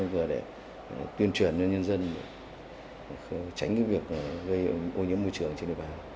vừa để tuyên truyền cho nhân dân tránh cái việc gây ô nhiễm môi trường trên đời bà